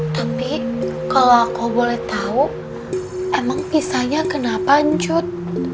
tapi kalo aku boleh tau emang pisahnya kenapa anjut